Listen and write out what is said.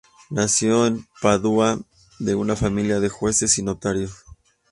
Nació en Padua de una familia de jueces y notarios.